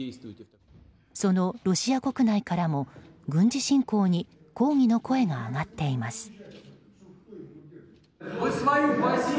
そのロシア国内からも軍事侵攻に抗議の声が上がっています。